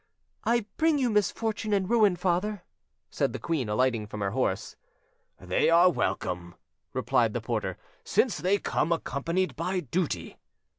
"I bring you misfortune and ruin, father," said the queen, alighting from her horse. "They are welcome," replied the prior, "since they come accompanied by duty."